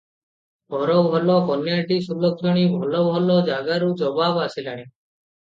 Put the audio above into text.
ଘର ଭଲ, କନ୍ୟାଟି ସୁଲକ୍ଷଣୀ, ଭଲ ଭଲ ଜାଗାରୁ ଜବାବ ଆସିଲାଣି ।